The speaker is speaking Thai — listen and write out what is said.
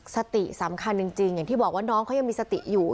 สติสำคัญจริงอย่างที่บอกว่าน้องเขายังมีสติอยู่